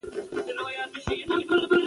نو همدا ده چې ټولو خلکو ته د منلو وړ دي .